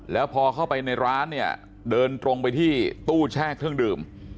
แล้วพอเข้าไปในร้านเนี่ยเดินตรงไปที่ตู้แช่เครื่องดื่ม